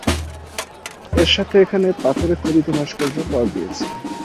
এর সাথে এখানে পাথরে খোদিত ভাস্কর্য পাওয়া গিয়েছে।